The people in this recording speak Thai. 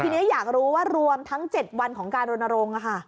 ทีนี้อยากรู้ว่ารวมทั้ง๗วันของการรณรงค์